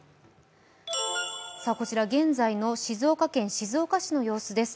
こちら現在の静岡県静岡市の様子です。